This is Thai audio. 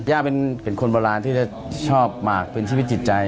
ย่าเป็นคนโบราณที่จะชอบหมากเป็นชีวิตจิตใจ